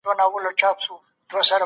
شپږ شپږم عدد دئ.